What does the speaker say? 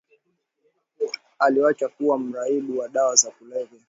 Aliwacha kuwa mraibu wa dawa za kulevya